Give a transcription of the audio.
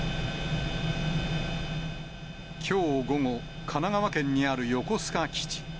きょう午後、神奈川県にある横須賀基地。